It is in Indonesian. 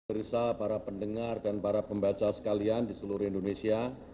perisa para pendengar dan para pembaca sekalian di seluruh indonesia